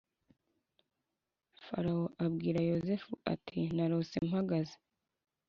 Farawo abwira yosefu ati narose mpagaze